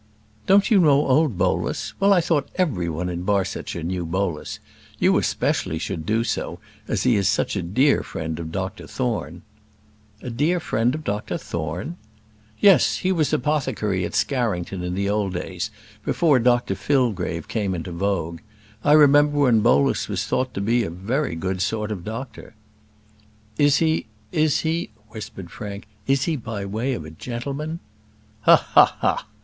"Don't you know old Bolus? Well, I thought every one in Barsetshire knew Bolus; you especially should do so, as he is such a dear friend of Dr Thorne." "A dear friend of Dr Thorne?" "Yes; he was apothecary at Scarington in the old days, before Dr Fillgrave came into vogue. I remember when Bolus was thought to be a very good sort of doctor." "Is he is he " whispered Frank, "is he by way of a gentleman?" "Ha! ha! ha!